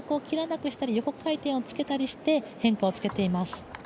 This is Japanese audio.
横回転をつけたりして、変化をつけています。